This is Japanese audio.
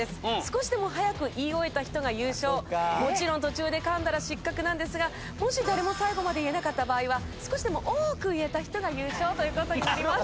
もちろん途中で噛んだら失格なんですがもし誰も最後まで言えなかった場合は少しでも多く言えた人が優勝という事になります。